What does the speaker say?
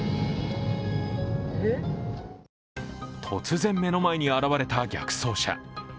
突然、目の前に現れた逆走車。